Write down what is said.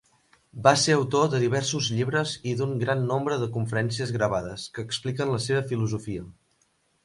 Va ser autor de diversos llibres i d'un gran nombre de conferències gravades que expliquen la seva filosofia.